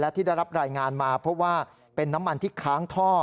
ที่ได้รับรายงานมาเพราะว่าเป็นน้ำมันที่ค้างท่อ